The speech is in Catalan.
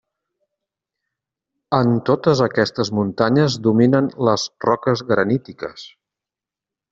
En totes aquestes muntanyes dominen les roques granítiques.